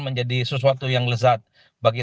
menjadi sesuatu yang lezat bagi